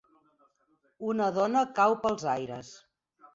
Una dona cau pels aires.